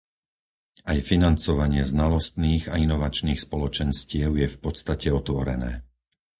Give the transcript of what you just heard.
Aj financovanie znalostných a inovačných spoločenstiev je v podstate otvorené.